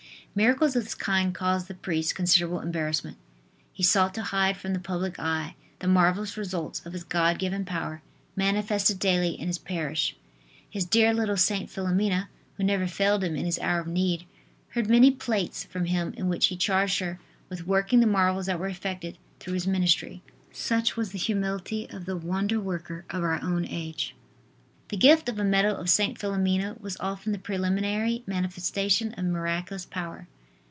Miracles of this kind caused the priest considerable embarrassment. He sought to hide from the public eye the marvelous results of his God given power manifested daily in his parish, His "dear little St. Philomena," who never failed him in his hour of need, heard many plaints from him in which he charged her with working the marvels that were effected through his ministry. Such was the humility of the "wonder worker" of our own age. The gift of a medal of St. Philomena was often the preliminary manifestation of miraculous power.